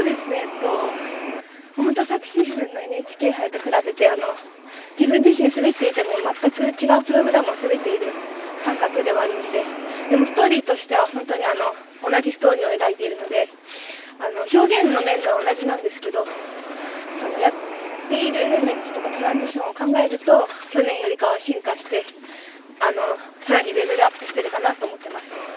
本当に昨シーズンのＮＨＫ杯と比べて自分自身滑っていても全く違うプログラムを滑っている感覚ではあるのででも、ストーリーとしては本当に同じストーリーを描いているので表現の面では同じなんですけどやっているエレメンツとかトランジションを考えると去年よりかは進化して、さらにレベルアップしているかなと思ってます。